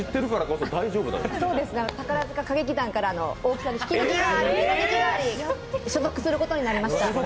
宝塚歌劇団から大木さんから引き抜きがあり、やることになりました。